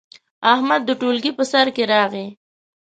احمد د ټولګي په سر کې راغی.